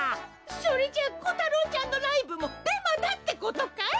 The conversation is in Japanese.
それじゃコタロウちゃんのライブもデマだってことかい？